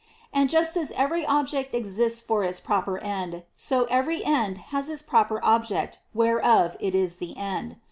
And just as every object exists for its_ proper end, so every end has its proper' Qb[ect .whereof it is the end.